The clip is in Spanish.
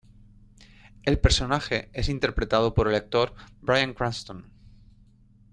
El personaje es interpretado por el actor Bryan Cranston.